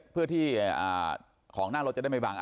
เพื่อที่ของนั่งรถจะได้ไม่บัง